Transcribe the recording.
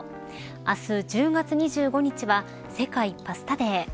明日１０月２５日は世界パスタデー。